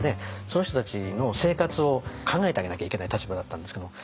その人たちの生活を考えてあげなきゃいけない立場だったんですけども。